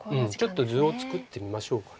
ちょっと図を作ってみましょうか。